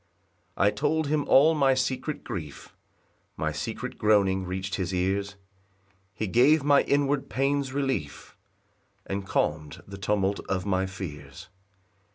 3 I told him all my secret grief, My secret groaning reach'd his ears; He gave my inward pains relief, And calm'd the tumult of my fears.